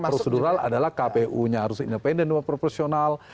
procedural adalah kpu nya harus independen dan proporsional